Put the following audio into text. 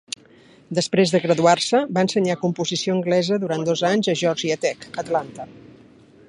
Després de graduar-se, va ensenyar composició anglesa durant dos anys a Georgia Tech, Atlanta.